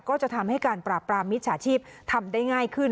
ก็จะทำให้การปราบปรามมิจฉาชีพทำได้ง่ายขึ้น